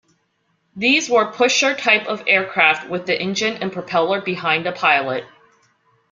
These were "pusher" type of aircraft with the engine and propeller behind the pilot.